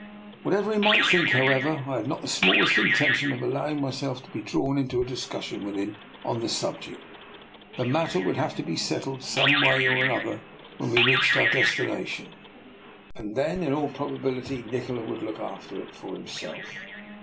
Whatever he might think, however, I had not the smallest intention of allowing myself to be drawn into a discussion with him on the subject. The matter would have to be set tled some way or another when we reached our destination, and then, in all probability, Nikola would look after it for himself.